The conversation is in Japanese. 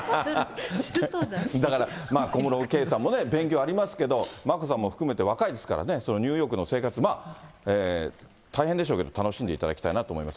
だから小室圭さんもね、勉強ありますけど、眞子さんも含めて若いですからね、ニューヨークの生活、大変でしょうけど、楽しんでいただきたいなと思います。